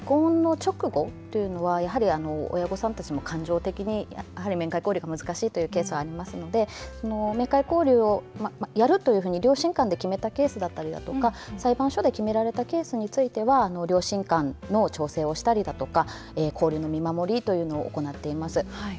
離婚の直後というのはやはり、親御さんたちも感情的で面会交流が難しいということがありますので面会交流をやるって両親間で決めたケースだったり裁判所で決められたケースだったら両親間で調整したり交流の見守りというのを行っています。